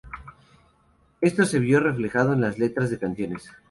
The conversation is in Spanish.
Esto se vio reflejado en las letras de canciones.